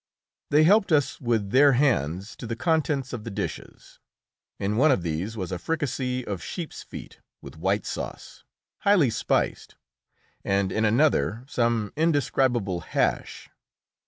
They helped us with their hands to the contents of the dishes. In one of these was a fricassee of sheep's feet with white sauce, highly spiced, and in another some indescribable hash.